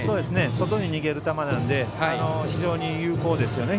外に逃げる球なので非常に有効ですね。